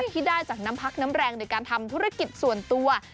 ที่ได้จากน้ำพักน้ำแรงในการทำธุรกิจส่วนตัว